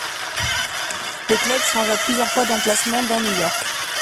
Le club changea plusieurs fois d'emplacement dans New York.